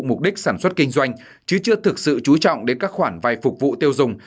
mục đích sản xuất kinh doanh chứ chưa thực sự chú trọng đến các khoản vay phục vụ tiêu dùng